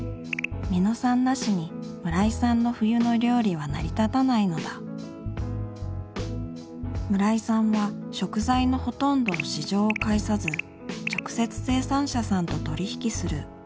三野さんなしに村井さんの冬の料理は成り立たないのだ村井さんは食材のほとんどを市場を介さず直接生産者さんと取り引きする。